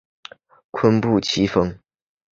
坤布崎峰